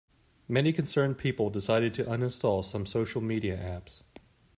Many concerned people decided to uninstall some social media apps.